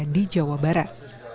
di jawa barat